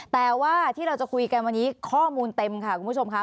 แต่ว่าที่เราจะคุยกันวันนี้ข้อมูลเต็มค่ะคุณผู้ชมค่ะ